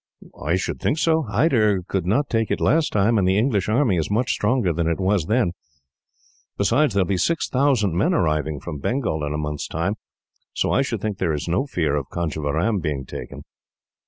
"I should think so. Hyder could not take it last time, and the English army is much stronger than it was then. Besides, there will be six thousand men arriving from Bengal, in a month's time, so I should think there is no fear of Conjeveram being taken."